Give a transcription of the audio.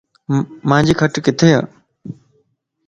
مانجي کٽ ڪٿي؟